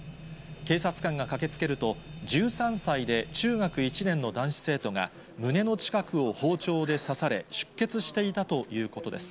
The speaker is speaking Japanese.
警察官が駆けつけると、１３歳で中学１年の男子生徒が、胸の近くを包丁で刺され、出血していたということです。